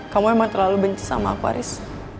kamu emang terlalu benci sama aku haris